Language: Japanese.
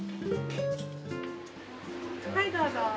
はいどうぞ。